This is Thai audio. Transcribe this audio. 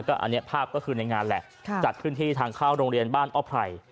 อันนี้ภาพก็คือในงานแหละจัดขึ้นที่ทางเข้าโรงเรียนบ้านอ้อไพร